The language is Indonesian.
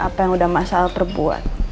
apa yang udah masalah terbuat